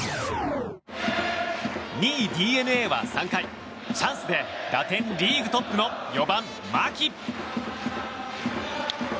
２位、ＤｅＮＡは３回チャンスで打点リーグトップの４番、牧。